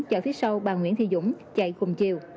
chở phía sau bà nguyễn thi dũng chạy cùng chiều